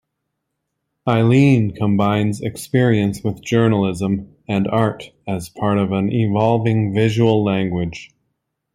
Eileen combines experience with journalism and art as part of an evolving visual language.